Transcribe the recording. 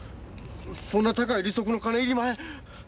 そんな高い利息の金いりまへん。